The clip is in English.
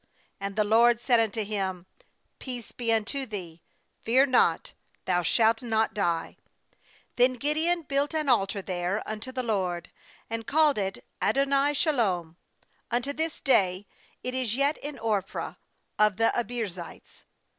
J ^And the LORD said unto him: 'Peace be unto thee; fear not; thou shalt not die.' MThen Gideon built an altar there unto the LORD, and called it a'Adpnai shalom'; unto this day it is yet in Ophrah of the Abiezrites.